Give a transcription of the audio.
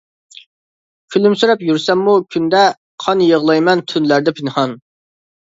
كۈلۈمسىرەپ يۈرسەممۇ كۈندە، قان يىغلايمەن تۈنلەردە پىنھان.